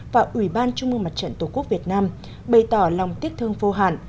và ủy ban trung mương mặt trận tổ quốc việt nam bày tỏ lòng tiếc thương vô hạn